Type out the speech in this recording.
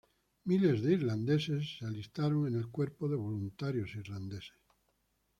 Miles de irlandeses se alistaron en el cuerpo de Voluntarios Irlandeses.